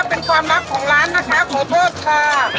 เป็นความลับของร้านนะคะขอโทษค่ะ